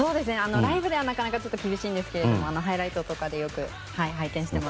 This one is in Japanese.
ライブではなかなか厳しいんですがハイライトでよく拝見しています。